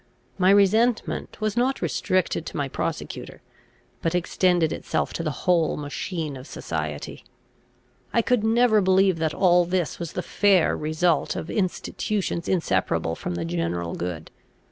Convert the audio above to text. My resentment was not restricted to my prosecutor, but extended itself to the whole machine of society. I could never believe that all this was the fair result of institutions inseparable from the general good.